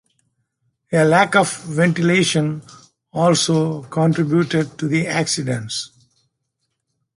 A lack of ventilation also contributed to the accidents.